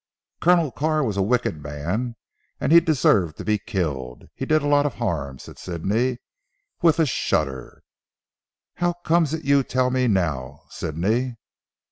Colonel Carr was a wicked man, and he deserved to be killed. He did a lot of harm," said Sidney, with a shudder. "How comes it you tell me now, Sidney?"